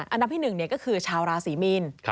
อันดับที่๑ก็คือชาวราศีมีน